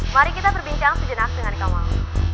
mari kita berbincang sejenak dengan kawal